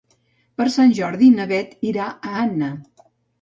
Per Sant Jordi na Beth irà a Anna.